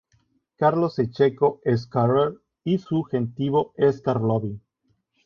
Carlos en checo es "Karel" y su genitivo es "Karlovy".